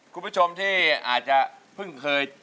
คุณผู้ชมที่อาจจะเพิ่งเคย